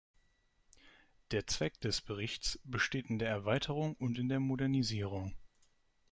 Der Zweck des Berichts besteht in der Erweiterung und in der Modernisierung.